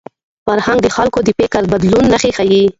فرهنګ د خلکو د فکر د بدلون نښې ښيي.